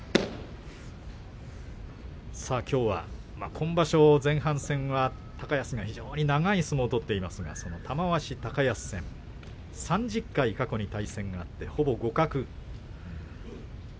今場所、前半戦は高安が非常に長い相撲を取っていますが玉鷲、高安戦３０回過去に対戦して、ほぼ互角。